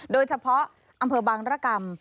โดยเฉพาะอำเภอบางรกรรม